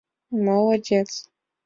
Молодец...